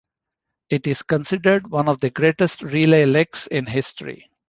It is considered one of the greatest relay legs in history.